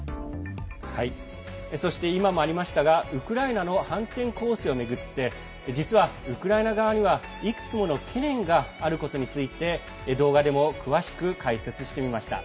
今もありましたがウクライナの反転攻勢を巡って実はウクライナ側にはいくつもの懸念があることについて動画でも詳しく解説してみました。